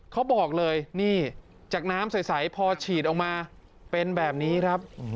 เขาบอกเลยนี่จากน้ำใสพอฉีดออกมาเป็นแบบนี้ครับ